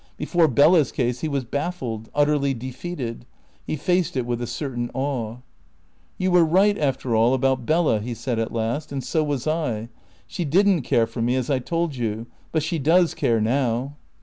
Before Bella's case he was baffled, utterly defeated. He faced it with a certain awe. "You were right, after all, about Bella," he said at last. "And so was I. She didn't care for me, as I told you. But she does care now."